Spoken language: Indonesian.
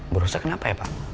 berusaha kenapa ya pak